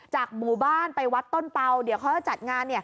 หมู่บ้านไปวัดต้นเปล่าเดี๋ยวเขาจะจัดงาน